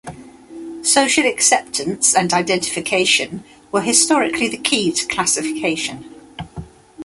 Social acceptance and identification were historically the key to classification.